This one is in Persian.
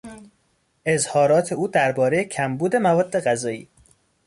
اظهارات او دربارهی کمبود مواد غذایی